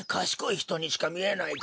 ひとにしかみえない？